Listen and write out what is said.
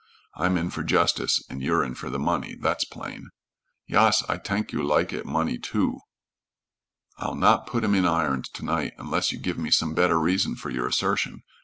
I'm in for justice, and you're in for the money, that's plain." "Yas, I tank you lak it money, too." "I'll not put him in irons to night unless you give me some better reason for your assertion.